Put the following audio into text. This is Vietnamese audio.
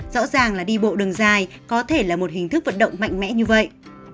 rõ ràng là đi bộ đường dài có thể là một hình thức vận động mạnh mẽ như vậy